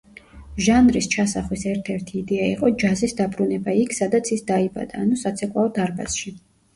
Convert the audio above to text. ჟანრის ჩასახვის ერთ-ერთი იდეა იყო ჯაზის დაბრუნება იქ სადაც ის დაიბადა, ანუ საცეკვაო დარბაზში.